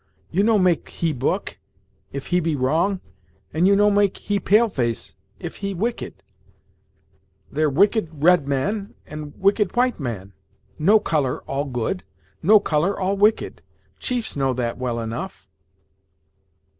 You no make he book, if he be wrong, and you no make he pale face if he wicked. There wicked red man, and wicked white man no colour all good no colour all wicked. Chiefs know that well enough."